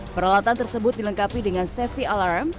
peralatan tersebut dilengkapi dengan safety alarm